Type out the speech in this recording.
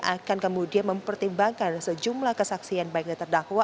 akan kemudian mempertimbangkan sejumlah kesaksian bagi terdakwa